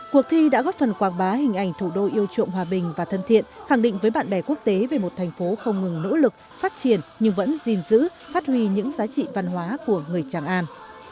cuộc thi đã góp phần quảng bá hình ảnh thủ đô yêu trộm hòa bình và thân thiện khẳng định với bạn bè quốc tế về một thành phố không ngừng nỗ lực phát triển nhưng vẫn gìn giữ phát huy những giá trị văn hóa của người tràng an